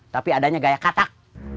tapi adanya gaya katak